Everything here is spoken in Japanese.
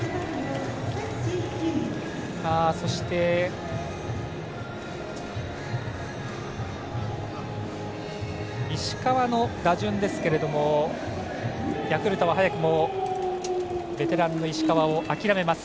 そして石川の打順ですけどもヤクルトは早くもベテランの石川を諦めます。